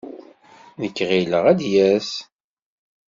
Nekk ɣileɣ ad d-yas.